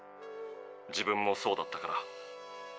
自分もそうだったから。